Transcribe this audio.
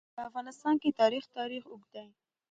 په افغانستان کې د تاریخ تاریخ اوږد دی.